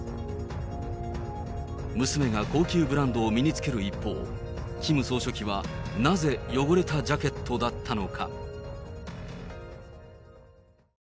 娘が高級ブランドを身に着ける一方、キム総書記はなぜ、汚れたジャケットだったのか。